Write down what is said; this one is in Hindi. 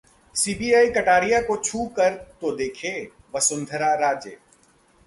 सीबीआई कटारिया को छू कर तो देखे: वसुंधरा राजे